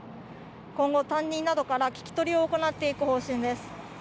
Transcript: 今後、担任などから聞き取りを行っていく方針です。